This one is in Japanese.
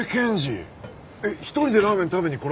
えっ一人でラーメン食べに来られるんですか？